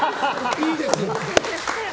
いいです。